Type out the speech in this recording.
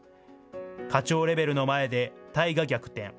課長レベルの前でタイが逆転。